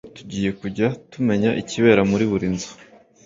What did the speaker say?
Muve aha muvuga ngo tugiye kujya tumenya ikibera muri buri nzu